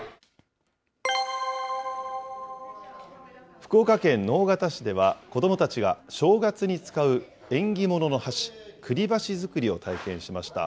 福岡県直方市では、子どもたちが正月に使う縁起物の箸、くりばし作りを体験しました。